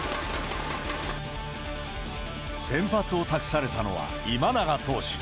先発を託されたのは今永投手。